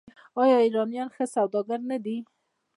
آیا ایرانیان ښه سوداګر نه دي؟